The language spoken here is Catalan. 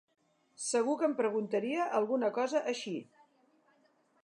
Segur que em preguntaria alguna cosa així.